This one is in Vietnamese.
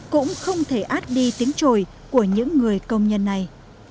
cũng không thể át đi tiếng trồi của những người công nhân này